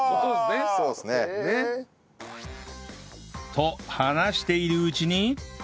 と話しているうちに